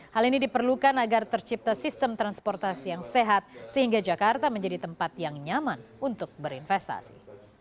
hal ini diperlukan agar tercipta sistem transportasi yang sehat sehingga jakarta menjadi tempat yang nyaman untuk berinvestasi